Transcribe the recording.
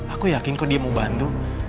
aku yakin kok dia mau bantu